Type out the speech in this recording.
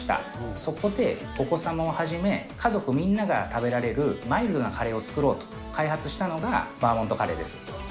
そこで、お子様をはじめ、家族みんなが食べられるマイルドなカレーを作ろうと開発したのがバーモントカレーです。